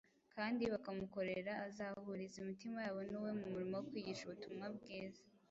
kandi bakamukorera azahuriza imitima yabo n’uwe mu murimo wo kwigisha ubutumwa bwiza.